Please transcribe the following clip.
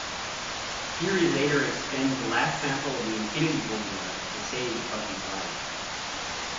Fury later expends the last sample of the Infinity Formula to save Bucky's life.